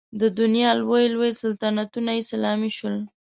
د دنیا لوی لوی سلطنتونه یې سلامي شول.